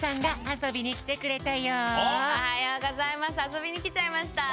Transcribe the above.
あそびにきちゃいました。